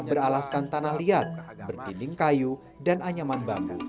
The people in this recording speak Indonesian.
beralaskan tanah liat berdinding kayu dan anyaman bambu